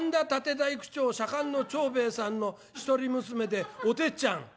大工町左官の長兵衛さんの一人娘でおてっちゃん」。